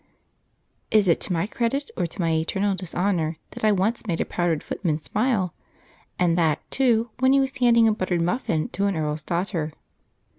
Is it to my credit, or to my eternal dishonour that I once made a powdered footman smile, and that, too, when he was handing a buttered muffin to an earl's daughter?